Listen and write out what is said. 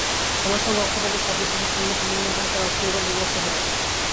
আমার সঙ্গে অক্ষয়বাবুর সাদৃশ্য আছে শুনলে তিনি এবং তাঁর আত্মীয়গণ বিমর্ষ হবেন।